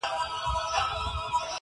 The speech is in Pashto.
که دغه مېنه د احمدشاه وای -